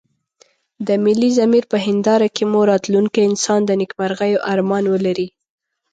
د ملي ضمير په هنداره کې مو راتلونکی انسان د نيکمرغيو ارمان ولري.